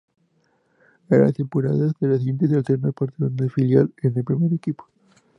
En las temporadas siguientes alterna partidos con el filial y el primer equipo.